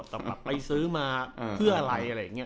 แบบไปซื้อมาเพื่ออะไรอะไรอย่างนี้